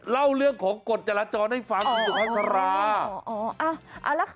เล่าเรื่องของกฎจราจรให้ฟังสุภาษาภารกรรม